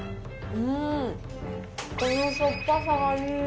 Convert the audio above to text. うーん、このしょっぱさがいい。